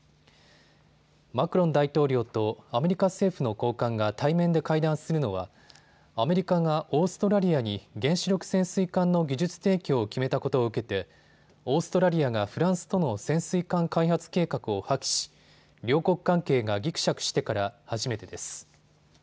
マクロン大統領とアメリカ政府の高官が対面で会談するのはアメリカがオーストラリアに原子力潜水艦の技術提供を決めたことを受けてオーストラリアがフランスとの潜水艦開発計画を破棄し両国関係がぎくしゃくしてから初めてです。